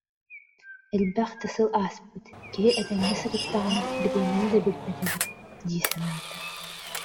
Элбэх да сыл ааспыт, киһи этэҥҥэ сырыттаҕына бириэмэни да билбэт эбит дии санаата